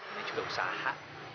ini juga usaha